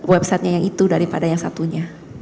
websitenya yang itu daripada yang satunya